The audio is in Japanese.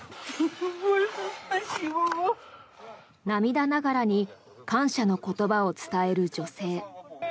涙ながらに感謝の言葉を伝える女性。